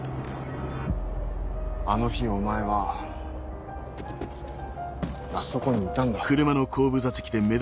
あの日お前はあそこにいたんだ。